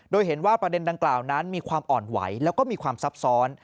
โดยเห็นว่าประเด็นดังกล่าวนั้นมีความอ่อนไหวแล้วก็มีความซับซ้อน